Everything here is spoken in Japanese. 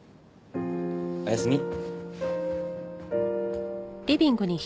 おやすみ。